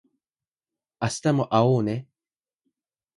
明日も会おうね